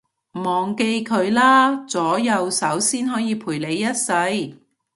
忘記佢啦，左右手先可以陪你一世